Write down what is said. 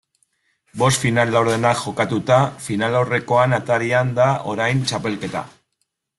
Bost final laurdenak jokatuta, finalaurrekoen atarian da orain txapelketa.